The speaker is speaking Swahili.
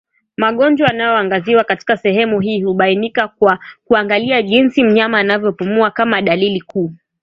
Magonjwa yanayoangaziwa katika sehemu hii hubainika kwa kuangalia jinsi mnyama anavyopumua kama dalili kuu